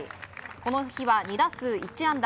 この日は、２打数１安打。